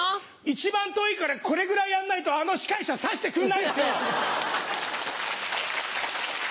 一番遠いからこれぐらいやんないとあの司会者指してくれないんですよ。